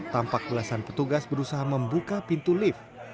tampak belasan petugas berusaha membuka pintu lift